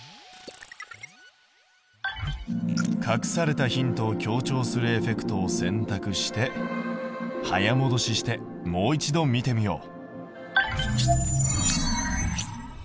隠されたヒントを強調するエフェクトを選択して早もどししてもう一度見てみよう。